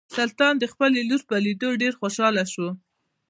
سلطان د خپلې لور په لیدو ډیر خوشحاله شو.